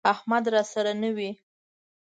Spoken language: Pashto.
احمد راسره نه وي،